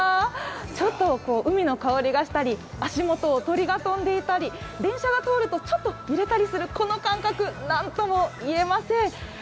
ちょっと海の香りがしたり、足元を鳥が飛んでいたり電車が通るとちょっと揺れたりするこの感覚、なんともいえません。